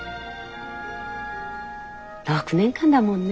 ６年間だもんね。